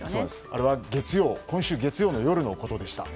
あれは今週月曜の夜でした。